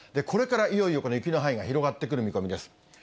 これからいよいよ雪の範囲が広がってくる見込みです。